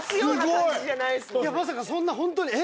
いやまさかそんなホントにええ！？